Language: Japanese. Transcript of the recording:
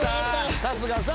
春日さん